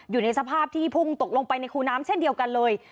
อยู่ในสภาพที่พุ่งตกลงไปในคูน้ำเช่นเดียวกันเลย